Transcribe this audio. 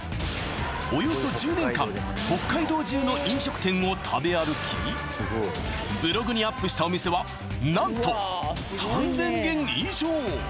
およそ１０年間北海道中の飲食店を食べ歩きブログにアップしたお店は何と３０００軒以上！